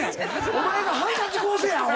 お前がハンカチこうせえアホ。